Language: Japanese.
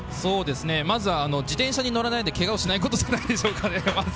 まず、自転車に乗らないでけがをしないことでしょうかね。